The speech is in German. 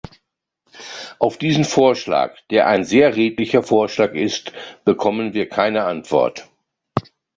Auf diesen Vorschlag, der ein sehr redlicher Vorschlag ist, bekommen wir keine Antwort.